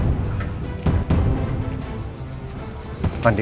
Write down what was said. eh mbak andi